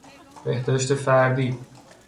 بهداشت فردی